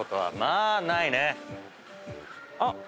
あっ！